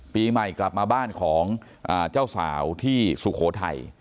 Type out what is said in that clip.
ปีใหม่กลับมาบ้านของเจ้าสาวที่สุโขทัย